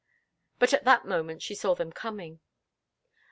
But at that moment she saw them coming.